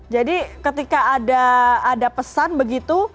jadi ketika ada pesan begitu